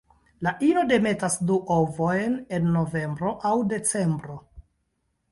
La ino demetas du ovojn en novembro aŭ decembro.